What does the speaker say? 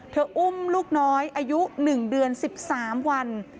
อุ้มลูกน้อยอายุ๑เดือน๑๓วัน